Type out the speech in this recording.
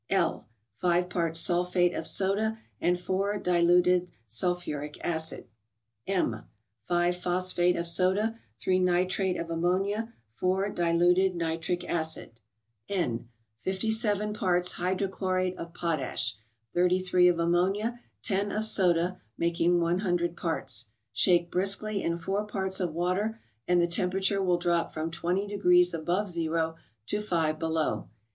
L. —Five parts sulphate of soda, and 4 diluted sulphur¬ ic acid. M. —Five phosphate of soda, 3 nitrate of ammonia, 4 diluted nitric acid. N. —Fifty seven parts hydrochlorate of potash, 33 of ammonia, 10 of soda, making 100 parts. Shake briskly in 4 parts of water, and the temperature will drop from 20 degrees above zero, to 5 below.